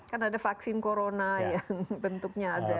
karena ada vaksin corona yang bentuknya ada